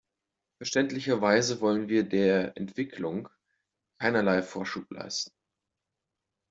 Verständlicherweise wollen wir der Entwicklung keinerlei Vorschub leisten.